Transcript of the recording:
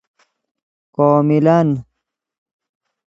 کاملا ً